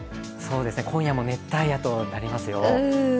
今夜も熱帯夜となりますよ。